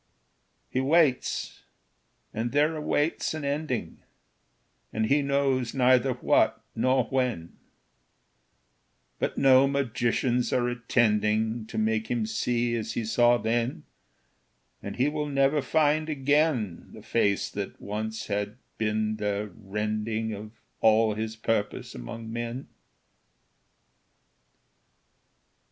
He waits, and there awaits an ending, And he knows neither what nor when; But no magicians are attending To make him see as he saw then, And he will never find again The face that once had been the rending Of all his purpose among men.